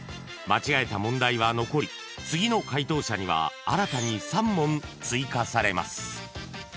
［間違えた問題は残り次の解答者には新たに３問追加されます］